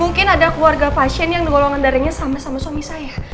mungkin ada keluarga pasien yang golongan darahnya sama sama suami saya